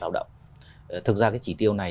lao động thực ra cái chỉ tiêu này